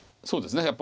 そうですね